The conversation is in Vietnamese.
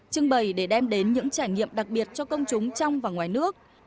trưng bày để đem đến những trải nghiệm đặc biệt cho công chúng trong và ngoài nước